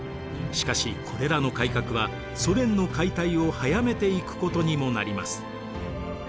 しかしこれらの改革はソ連の解体を速めていくことにもなります。